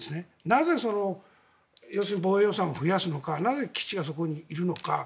なぜ防衛予算を増やすのかなぜ基地がそこにいるのか。